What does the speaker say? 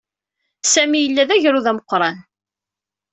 Sami yella d agrud ameqran.